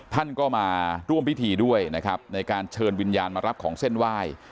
ท่านก็มาร่วมพิธีด้วยนะครับในการเชิญวิญญาณมารับของเส้นไหว้